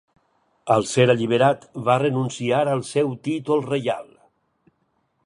Al ser alliberat, va renunciar al seu títol reial.